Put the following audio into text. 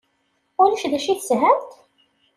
Ulac d acu i teshamt?